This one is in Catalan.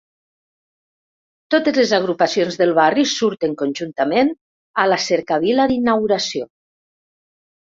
Totes les agrupacions del barri surten conjuntament a la cercavila d'inauguració.